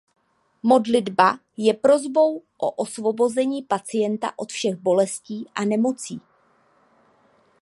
Modlitba je prosbou o osvobození pacienta od všech bolestí a nemocí.